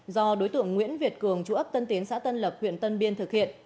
do đối tượng nguyễn việt cường chủ ấp tân tiến xã tân lập huyện tân biên thực hiện